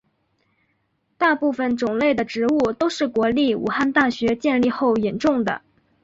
大部分种类的植物都是国立武汉大学建立后引种的。